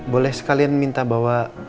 boleh sekalian minta bawa